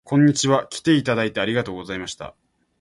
こんにちは。きていただいてありがとうございました